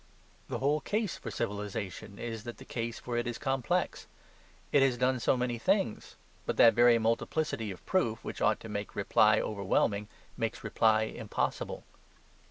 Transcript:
The whole case for civilization is that the case for it is complex. It has done so many things. But that very multiplicity of proof which ought to make reply overwhelming makes reply impossible.